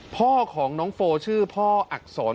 พ่อของน้องโฟจุห์เพราะอักษร